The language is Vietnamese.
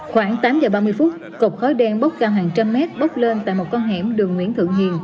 khoảng tám giờ ba mươi phút cột khói đen bốc cao hàng trăm mét bốc lên tại một con hẻm đường nguyễn thượng hiền